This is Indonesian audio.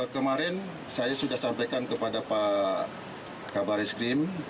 kemarin saya sudah sampaikan kepada pak kabaris krim